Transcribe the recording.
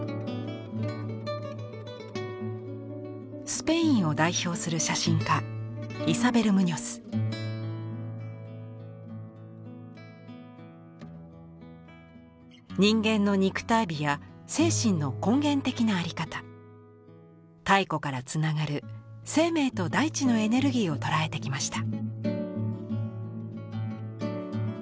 スペインを代表する写真家人間の肉体美や精神の根源的なあり方太古からつながる生命と大地のエネルギーを捉えてきました。